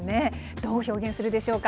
どう表現するでしょうか。